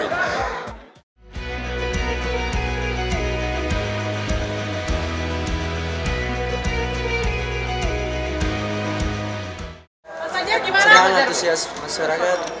sekarang antusias masyarakat